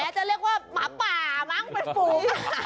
จะเรียกว่าหมาป่ามั้งเป็นฝูง